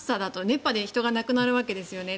熱波で人が亡くなるわけですよね。